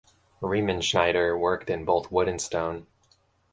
Riemenschneider worked in both wood and stone.